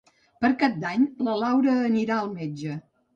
Per Cap d'Any na Laura anirà al metge.